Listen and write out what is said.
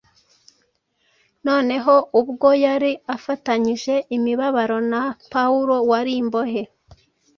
Noneho ubu ubwo yari afatanyije imibabaro na Pawulo wari imbohe,